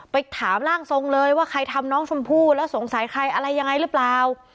ไปถามร่างทรงเลยว่าใครทำน้องชมพู่แล้วสงสัยใครอะไรยังไงหรือเปล่า